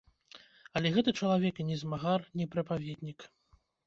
Але гэты чалавек і не змагар, не прапаведнік.